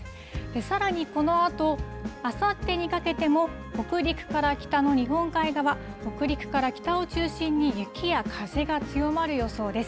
さらにこのあと、あさってにかけても、北陸から北の日本海側、北陸から北を中心に雪や風が強まる予想です。